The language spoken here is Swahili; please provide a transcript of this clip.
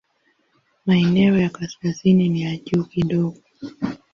Maeneo ya kaskazini ni ya juu kidogo.